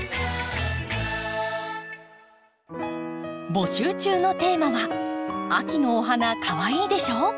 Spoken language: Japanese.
募集中のテーマは「秋のお花かわいいでしょ？」。